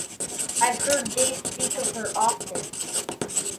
I've heard Dave speak of her often.